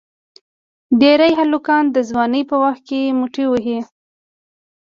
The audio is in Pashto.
ډېری هلکان د ځوانی په وخت کې موټی وهي.